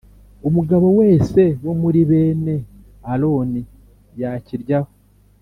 Umugabo wese wo muri bene Aroni yakiryaho